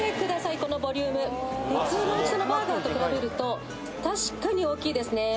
このボリューム普通の大きさのバーガーとくらべると確かに大きいですね